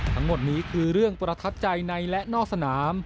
ทั้งหมดนี้คือเรื่องประทับใจในและนอกสนาม